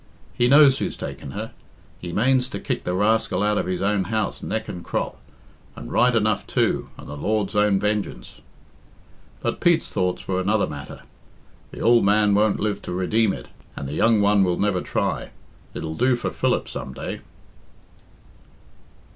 He knows who's taken her; he manes to kick the rascal out of his own house neck and crop; and right enough, too, and the Lord's own vengeance." But Pete's thoughts were another matter. "The ould man won't live to redeem it, and the young one will never try it'll do for Philip some day."